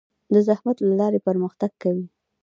د زحمت له لارې پرمختګ کوي.